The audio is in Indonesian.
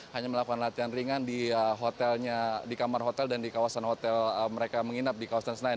hanya melakukan latihan ringan di kamar hotel dan di kawasan hotel mereka menginap di kawasan senayan